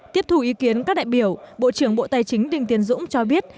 tiếp thủ ý kiến các đại biểu bộ trưởng bộ tài chính đình tiên dũng cho biết